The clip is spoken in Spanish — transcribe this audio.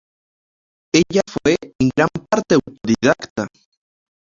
Ella fue en gran parte autodidacta.